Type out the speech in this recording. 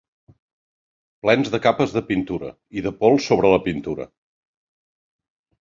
Plens de capes de pintura, i de pols sobre la pintura